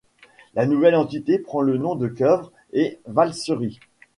La nouvelle entité prend le nom de Cœuvres-et-Valsery.